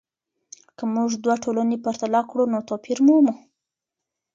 که موږ دوه ټولنې پرتله کړو نو توپیر مومو.